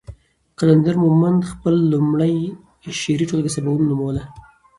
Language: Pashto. قلندر مومند خپله لومړۍ شعري ټولګه سباوون نوموله.